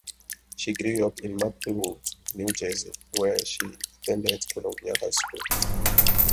She grew up in Maplewood, New Jersey, where she attended Columbia High School.